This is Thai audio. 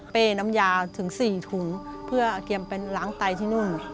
น้ำยาถึง๔ถุงเพื่อเตรียมเป็นล้างไตที่นู่น